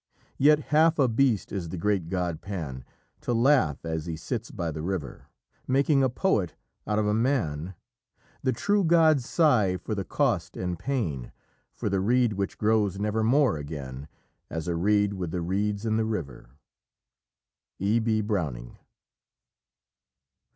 Yet half a beast is the great god Pan, To laugh as he sits by the river, Making a poet out of a man: The true gods sigh for the cost and pain, For the reed which grows nevermore again As a reed with the reeds in the river." E. B. Browning.